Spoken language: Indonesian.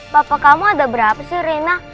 papa kamu ada berapa sih rina